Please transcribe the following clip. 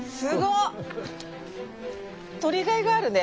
採りがいがあるね。